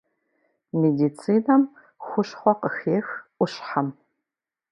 Медицинэм хущхъуэ къыхех ӏущхьэм.